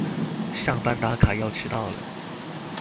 上班打卡要遲到了